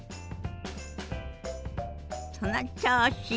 その調子！